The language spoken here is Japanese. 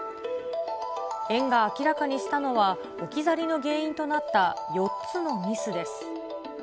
園が明らかにしたのは、置き去りの原因となった４つのミスです。